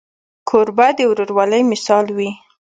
کوربه د ورورولۍ مثال وي.